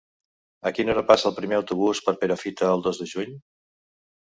A quina hora passa el primer autobús per Perafita el dos de juny?